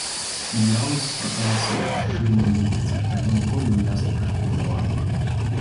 Мінералы сустракаюцца ў шчыльным выглядзе, але ніколі ў ясна крышталізаваным.